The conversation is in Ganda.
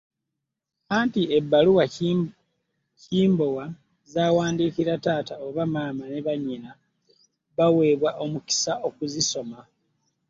Anti ebbaluwa Kimbowa z'awandiikira Taata oba Maama ne bannyina baweebwa omukisa okuzisomamu.